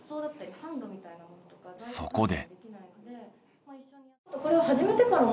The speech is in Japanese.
そこで。